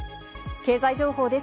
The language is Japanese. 経済情報です。